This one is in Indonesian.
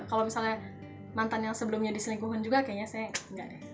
kalau misalnya mantan yang sebelumnya diselingkuhin juga kayaknya saya nggak deh